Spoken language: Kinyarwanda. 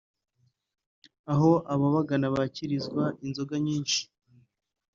aho ababagana bakirizwa inzoga nyinshi